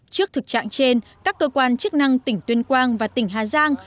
trước thực trạng trên các cơ quan chức năng tỉnh tuyên quang và tỉnh hà giang